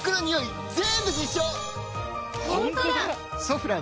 ホントだ！